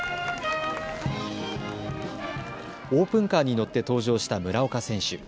オープンカーに乗って登場した村岡選手。